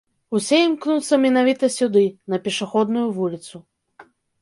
Усе імкнуцца менавіта сюды, на пешаходную вуліцу.